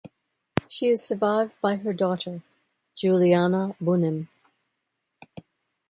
She is survived by her daughter, Juliana Bunim.